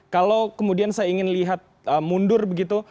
kalau kemudian saya ingin lihat mundur begitu